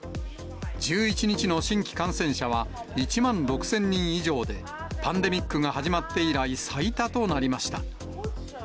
１１日の新規感染者は１万６０００人以上で、パンデミックが始まって以来、最多となりました。